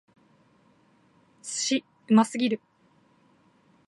寿司！うますぎる！